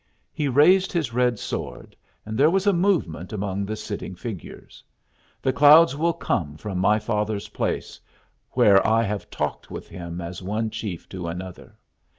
He raised his red sword, and there was a movement among the sitting figures. "The clouds will come from my father's place, where I have talked with him as one chief to another.